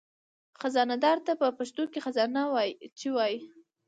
خزانهدار ته په پښتو کې خزانهچي وایي.